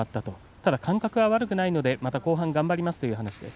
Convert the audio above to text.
ただ、感覚は悪くないのでまた後半頑張りますという話です。